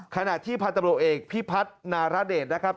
ขนาดที่พาตำรวจเอกพี่พัฒนารเดชนะครับ